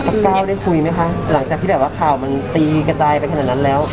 ก้าวได้คุยไหมคะหลังจากที่แบบว่าข่าวมันตีกระจายไปขนาดนั้นแล้ว